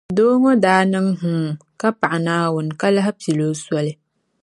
Doo ŋɔ daa niŋ hmm ka paɣi Naawuni ka lahi pili o soli